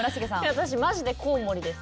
私マジでコウモリです。